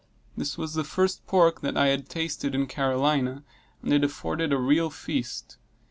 This was the first pork that I had tasted in Carolina, and it afforded a real feast.